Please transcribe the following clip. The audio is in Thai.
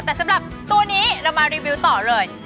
แต่สำหรับตัวนี้เรามารีวิวต่อเลย